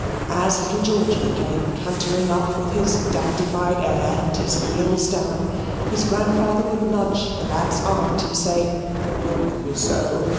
As little Georgy came cantering up with his dandified air and his heels down, his grandfather would nudge the lad's aunt and say, "Look, Miss O."